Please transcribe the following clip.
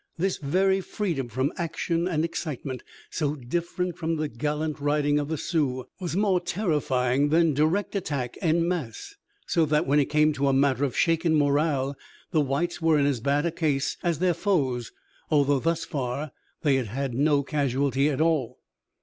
This very freedom from action and excitement, so different from the gallant riding of the Sioux, was more terrifying than direct attack en masse, so that when it came to a matter of shaken morale the whites were in as bad case as their foes, although thus far they had had no casualty at all.